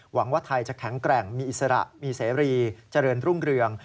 หวังว่าไทยจะแข็งแกร่งมีอิสระมีเสรีเจริญรุ่งเรือง